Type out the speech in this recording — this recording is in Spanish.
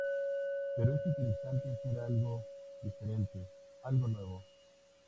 Pero es interesante hacer algo diferente, algo nuevo.